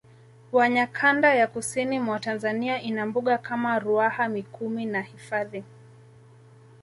wanya kanda ya kusini mwa Tanzania ina Mbuga kama Ruaha Mikumi na hifadhi